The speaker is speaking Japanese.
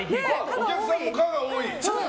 お客さんも可が多い。